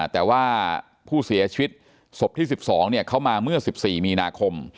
แต่ว่าผู้เสียชีวิตศพที่๑๒เขามาเมื่อ๑๔มีนาคม